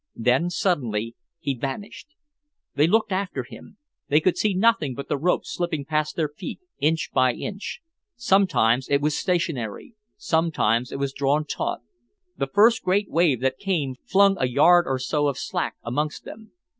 Then suddenly he vanished. They looked after him. They could see nothing but the rope slipping past their feet, inch by inch. Sometimes it was stationary, sometimes it was drawn taut. The first great wave that came flung a yard or so of slack amongst them.